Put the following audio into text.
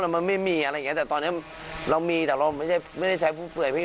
มันไม่มีอะไรอย่างนี้แต่ตอนนี้เรามีแต่เราไม่ใช่ฝึก